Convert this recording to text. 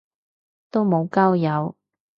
都無交友